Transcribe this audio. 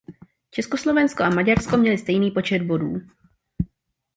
Československo a Maďarsko měly stejný počet bodů.